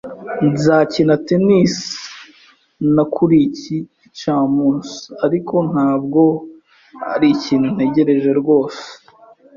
Nzakina tennis na kuri iki gicamunsi, ariko ntabwo arikintu ntegereje rwose.